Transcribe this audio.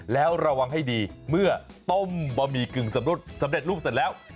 แล้วระวังให้ดีเมื่อต้มบะหมี่กึ่งสำเร็จรูปเสร็จแล้ว